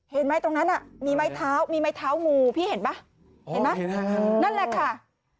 เห็นไหมตรงนั้นมีไม้เท้ามีไม้เท้างูพี่เห็นป่ะเห็นไหมนั่นแหละค่ะ